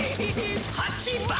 「８番！」